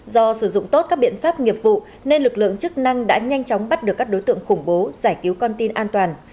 do sử dụng tốt các biện pháp nghiệp vụ nên lực lượng chức năng đã nhanh chóng bắt được các đối tượng khủng bố giải cứu con tin an toàn